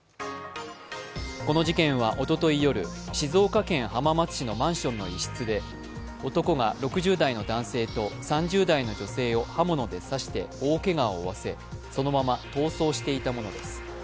この事件は、おととい夜静岡県浜松市のマンションの一室で男が６０代の男性と３０代の女性を刃物で刺して大けがを負わせそのまま逃走していたものです。